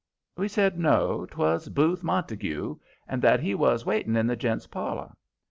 We said no, 'twas Booth Montague, and that he was waiting in the gents' parlor.